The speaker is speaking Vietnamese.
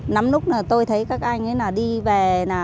năm lúc tôi thấy các anh đi về